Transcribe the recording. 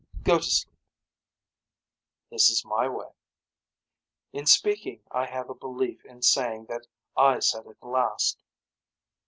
Go to sleep. This is my way. In speaking I have a belief in saying that I said it last.